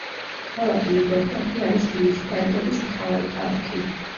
ქალაქი ლიბერტადი არის მუნიციპალიტეტის მთავარი ქალაქი.